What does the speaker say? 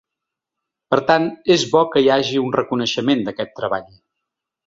Per tant, és bo que hi hagi un reconeixement d’aquest treball.